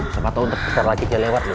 semataun nanti kita lewat loh